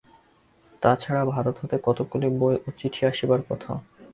তাছাড়া ভারত হতে কতকগুলি বই ও চিঠি আসবার কথা।